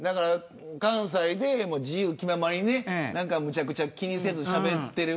関西で自由気ままにねむちゃくちゃ気にせずしゃべっている。